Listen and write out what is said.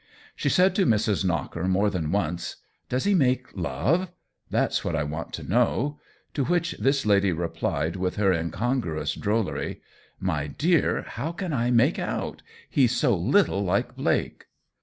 She said to Mrs. Knocker more than once :" Does he make love ?— that's what I want to know !" to which this lady replied, with her incongruous drollery, " My dear, how can I make out ? He's so little like Blake